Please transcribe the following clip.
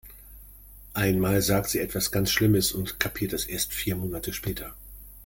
Einmal sagt sie etwas ganz schlimmes, und kapiert das erst vier Monate später.